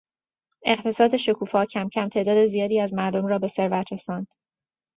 اقتصاد شکوفا کم کم تعداد زیادی از مردم را به ثروت رساند.